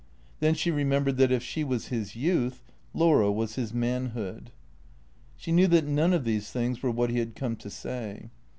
Then she remembered that, if she was his youth, Laura was his manhood. She knew that none of these things were what he had come to say.